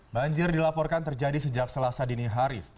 banjir dilaporkan terjadi sejak selasa dini hari